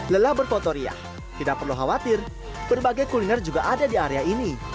lelah berfotoria tidak perlu khawatir berbagai kuliner juga ada di area ini